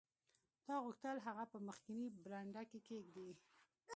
تا غوښتل هغه په مخکینۍ برنډه کې کیږدې